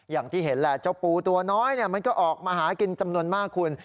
อย่างที่เห็นแหละเจ้าปูตัวน้อยมันก็ออกมาหากินจำนวนมากคุณ